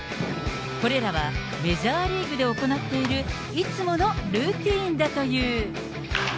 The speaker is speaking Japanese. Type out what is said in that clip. これらはメジャーリーグで行っているいつものルーティンだという。